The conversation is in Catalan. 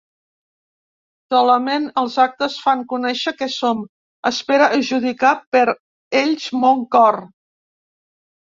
Solament els actes fan conèixer què som: espera a judicar per ells mon cor.